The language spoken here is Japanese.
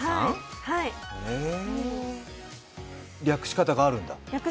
略し方があるんだ。